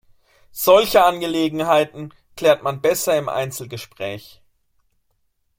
Solche Angelegenheiten klärt man besser im Einzelgespräch.